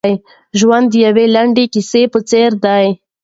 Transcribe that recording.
ژوند د یوې لنډې کیسې په څېر دی.